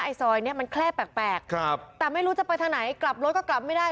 ซอยเนี้ยมันแคล่แปลกครับแต่ไม่รู้จะไปทางไหนกลับรถก็กลับไม่ได้